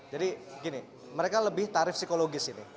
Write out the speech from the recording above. jadi gini mereka lebih tarif psikologis ini